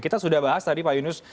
kita sudah bahas tadi pak yunus